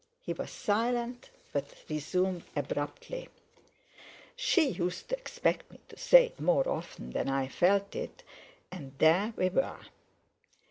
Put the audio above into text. He was silent, but resumed abruptly: "She used to expect me to say it more often than I felt it, and there we were."